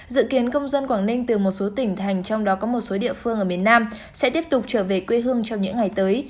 dự kiến công dân quảng ninh từ một số tỉnh thành trong đó có một số địa phương ở miền nam sẽ tiếp tục trở về quê hương trong những ngày tới